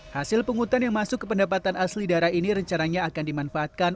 hasil penghutan yang masuk ke pendapatan asli daerah ini rencananya akan dimanfaatkan